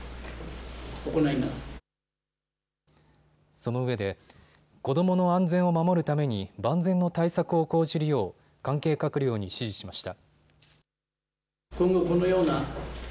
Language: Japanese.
そのうえで子どもの安全を守るために万全の対策を講じるよう関係閣僚に指示しました。